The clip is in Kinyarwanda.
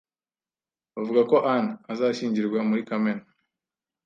Bavuga ko Anne azashyingirwa muri Kamena